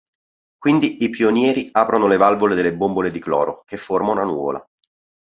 Quindi i pionieri aprono le valvole delle bombole di cloro, che forma una nuvola.